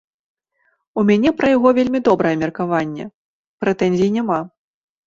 У мяне пра яго вельмі добрае меркаванне, прэтэнзій няма.